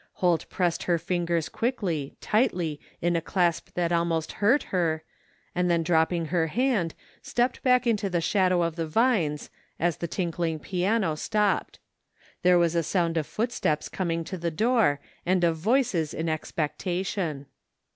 Holt pressed her fingers quickly, tightly in a clasp that al most hurt her, and then dropping her hand, stepped back into the shadow of the vines as the tinkling piano stopped. There was a sound of footsteps coming to the door, and of voices in expectation.